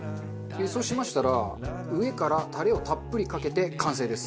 そうしましたら上からタレをたっぷりかけて完成です。